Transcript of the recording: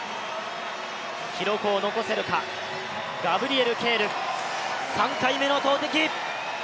記録を残せるか、ガブリエル・ケール、３回目の投てき。